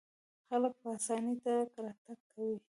خلک په اسانۍ تګ راتګ کوي.